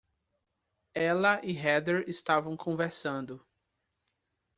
Ela e Heather estavam conversando.